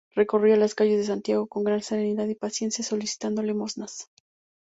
Recorría las calles de Santiago con gran serenidad y paciencia solicitando limosnas.